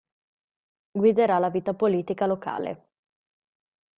Guiderà la vita politica locale.